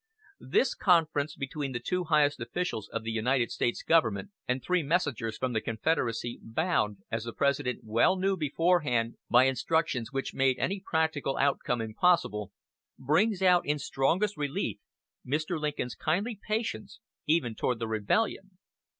This conference between the two highest officials of the United States government, and three messengers from the Confederacy, bound, as the President well knew beforehand, by instructions which made any practical outcome impossible, brings out, in strongest relief, Mr. Lincoln's kindly patience, even toward the rebellion.